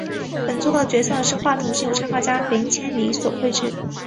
本作的角色图画是由插画家北千里所绘制。